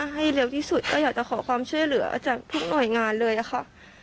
ให้เร็วที่สุดก็อยากจะขอความช่วยเหลือจากทุกหน่วยงานเลยค่ะ